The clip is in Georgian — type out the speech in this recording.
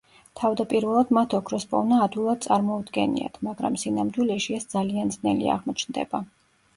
თავდაპირველად მათ ოქროს პოვნა ადვილად წარმოუდგენიათ, მაგრამ სინამდვილეში ეს ძალიან ძნელი აღმოჩნდება.